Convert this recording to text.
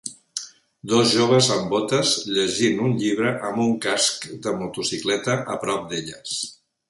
Dos joves amb botes llegint un llibre amb un casc de motocicleta a prop d'elles